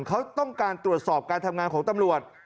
เขาต้องการตรวจสอบการทำงานของตำรวจ